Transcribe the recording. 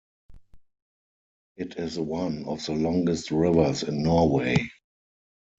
It is one of the longest rivers in Norway.